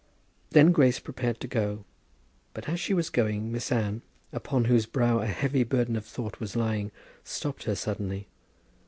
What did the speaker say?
Then Grace prepared to go. But as she was going, Miss Anne, upon whose brow a heavy burden of thought was lying, stopped her suddenly.